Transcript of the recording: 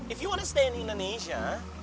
if you wanna stay in indonesia